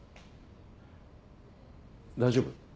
大丈夫？